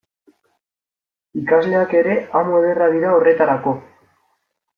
Ikasleak ere amu ederra dira horretarako.